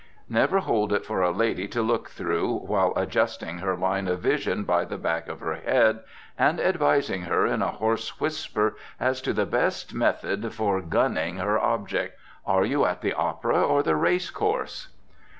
Never hold it for a lady to look through, while adjusting her line of vision by the back of her head, and advising her in a hoarse whisper as to the best method for "gunning" her object. Are you at the opera or the race course?